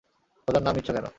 খোদার নাম নিচ্ছ কেন?